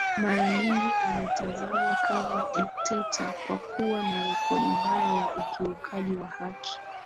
mara nyingi anatazamwa kama dikteta kwa kuwa na rekodi mbaya ya ukiukaji wa haki